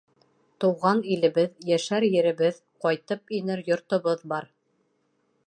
Тыуған илебеҙ, йәшәр еребеҙ, ҡайтып инер йортобоҙ бар!